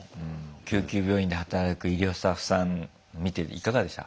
救急病院で働く医療スタッフさん見ていかがでした？